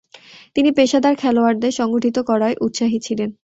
তিনি পেশাদার খেলোয়াড়দের সংগঠিত করায় উৎসাহী ছিলেন।